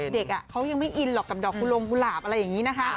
เด็กเขายังไม่อินหรอกกับดอกกุลงกุหลาบอะไรอย่างนี้นะคะ